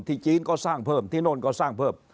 จีนก็สร้างเพิ่มที่โน่นก็สร้างเพิ่ม